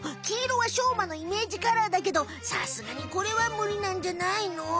黄色はしょうまのイメージカラーだけどさすがにこれはムリなんじゃないの？